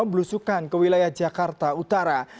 belusukan ke wilayah jakarta utara